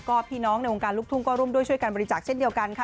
ก็พี่น้องในวงการลูกทุ่งก็ร่วมด้วยช่วยการบริจาคเช่นเดียวกันค่ะ